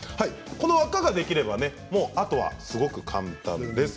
この輪っかができればあとはすごく簡単です。